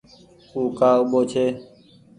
او ڪآ اُوٻو ڇي۔